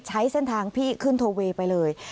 ใช้เส้นทางพี่ขึ้นโทเวย์ไปเลย